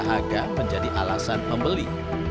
harga menjadi alasan pembeli